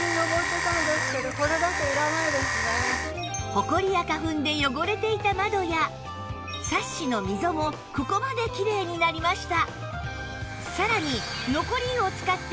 ホコリや花粉で汚れていた窓やサッシの溝もここまできれいになりました